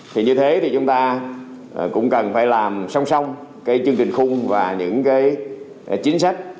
thì như thế thì chúng ta cũng cần phải làm song song cái chương trình khung và những cái chính sách